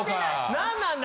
何なんだ！